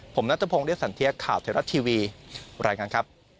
ผมนัทธพงศ์เลียสันเทียกข่าวเทวรัฐทีวีบรรยาการครับ